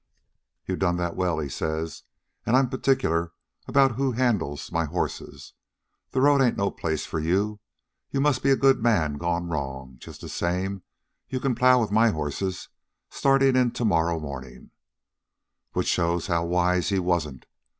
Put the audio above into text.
"'You done that well,' he says. 'An' I'm particular about who handles my horses. The road ain't no place for you. You must be a good man gone wrong. Just the same you can plow with my horses, startin' in to morrow mornin'.' "Which shows how wise he wasn't.